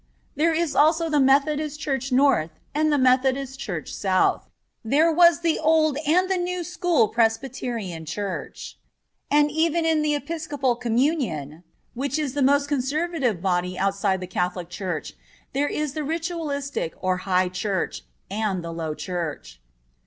There is also the Methodist Church North and the Methodist Church South. There was the Old and the New School Presbyterian Church. And even in the Episcopal Communion, which is the most conservative body outside the Catholic Church, there is the ritualistic, or high church, and the low church.